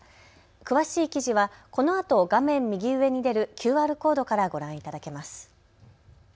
詳しい記事はこのあと画面右上に出るＱＲコードからご覧いただけます。